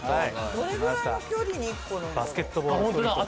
どれくらいの距離に１個なんだろう。